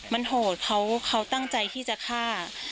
มันโหดเขาตั้งใจที่จะฆ่า